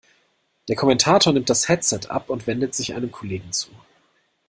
Der Kommentator nimmt das Headset ab und wendet sich einem Kollegen zu.